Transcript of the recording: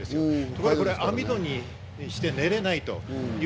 ところが網戸にして寝られないと。